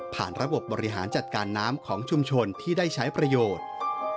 ระบบบบริหารจัดการน้ำของชุมชนที่ได้ใช้ประโยชน์